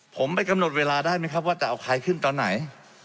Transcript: ผมไปกำหนดเวลาได้ไหมครับว่าจะเอาใครขึ้นตอนไหน